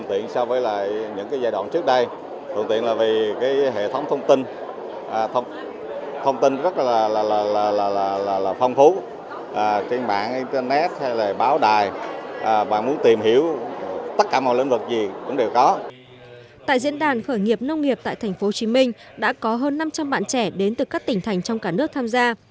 tại diễn đàn khởi nghiệp nông nghiệp tại tp hcm đã có hơn năm trăm linh bạn trẻ đến từ các tỉnh thành trong cả nước tham gia